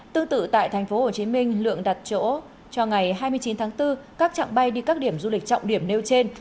tương tự tại tp hcm lượng đặt chỗ cho ngày hai mươi chín tháng bốn các trạng bay đi các điểm du lịch trọng điểm nêu trên